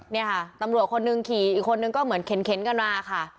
นี่ค่ะตำรวจคนหนึ่งขี่อีกคนนึงก็เหมือนเข็นกันมาค่ะ